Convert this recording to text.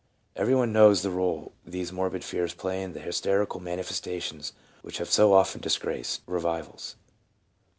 ' Every one knows the role these morbid fears played in the hysterical manifestations which have so often disgraced Eevivals.